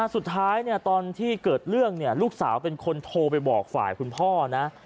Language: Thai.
ตอนที่เกิดเรื่องลูกสาวเป็นคนโทรไปบอกฝ่ายคุณพ่อนะ